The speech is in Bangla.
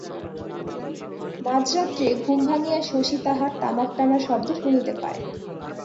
মাঝরাত্রে ঘুম ভাঙিয়া শশী তাহার তামাক টানার শব্দ শুনিতে পায়।